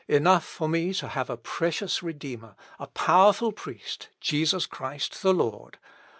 Enough for me to have a precious Redeemer, a powerful Priest, Jesus Christ the Lord!